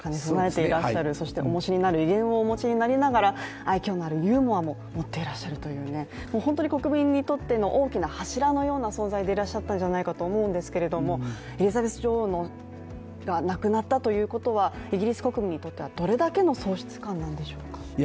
威厳をお持ちになりながら愛きょうのあるユーモアも持っていらっしゃるという、本当に国民にとっての大きな柱のような存在でいらっしゃったんじゃないかと思うんですけれどもエリザベス女王が亡くなったということはイギリス国民にとってはどれだけの喪失感なんでしょうか？